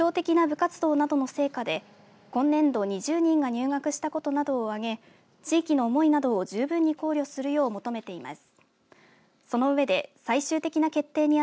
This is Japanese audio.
要望書では特徴的な部活動などの成果で今年度２０人が入学したことなどを挙げ地域の思いなどの十分に考慮するよう求めています。